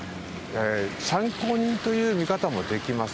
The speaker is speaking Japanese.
参考人という見方もできます。